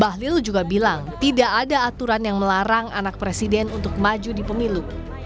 bahlil juga bilang tidak ada aturan yang melarang anak presiden untuk maju di pemilu